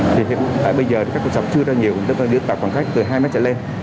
thì hiện tại bây giờ thì các quầy sạp chưa ra nhiều chúng ta đưa tạo khoảng cách từ hai mét trở lên